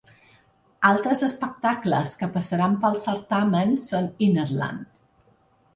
Altres espectacles que passaran pel certamen són Innerland.